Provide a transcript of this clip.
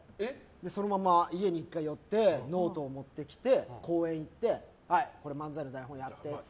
そのまま家に１回寄ってノートを持ってきて公園に行ってこれ漫才の台本、やってって。